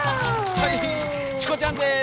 はいチコちゃんです。